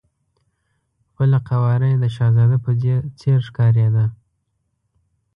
خپله قواره یې د شهزاده په څېر ښکارېده.